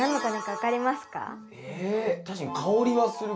確かに香りはするけど。